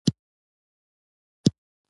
هر اردني پرې خپه کېږي.